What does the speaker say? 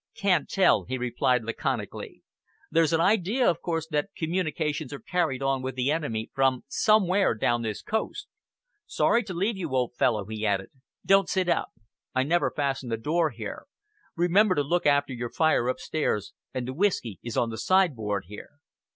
"Can't tell," he replied laconically. "There's an idea, of course, that communications are carried on with the enemy from somewhere down this coast. Sorry to leave you, old fellow," he added. "Don't sit up. I never fasten the door here. Remember to look after your fire upstairs, and the whisky is on the sideboard here."